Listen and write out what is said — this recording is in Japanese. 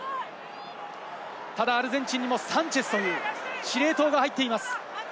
ただアルゼンチンにもサンチェスという司令塔が入っています。